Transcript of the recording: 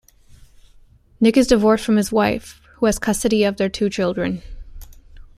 Nick is divorced from his wife, who has custody of their two children.